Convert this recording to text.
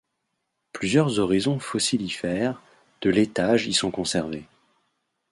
Plusieurs horizons fossilifères de l’étage y sont conservés.